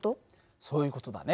そういう事だね。